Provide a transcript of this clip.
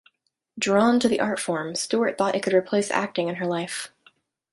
Drawn to the art form, Stuart thought it could replace acting in her life.